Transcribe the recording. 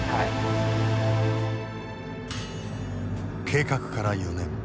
計画から４年。